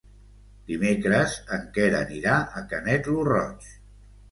Dimecres en Quer anirà a Canet lo Roig.